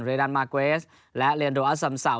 เรดันมากเวสและเรนโดอสำเสา